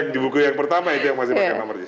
di buku yang pertama itu yang masih pakai nomornya